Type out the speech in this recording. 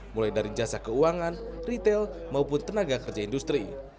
mulai dari jasa keuangan retail maupun tenaga kerja industri